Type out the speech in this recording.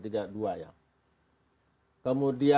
tingkat harapan hidup juga kalimantan timur